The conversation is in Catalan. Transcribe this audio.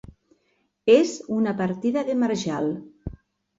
És una partida de marjal.